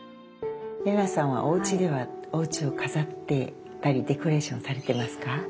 麗奈さんはおうちではおうちを飾ったりデコレーションされてますか？